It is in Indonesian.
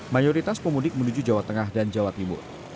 mayoritas pemudik menuju jawa tengah dan jawa timur